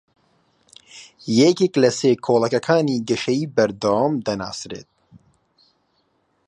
یەکێک لە سێ کۆڵەکەکانی گەشەی بەردەوام دەناسرێت